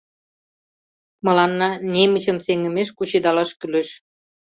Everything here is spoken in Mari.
Мыланна немычым сеҥымеш кучедалаш кӱлеш.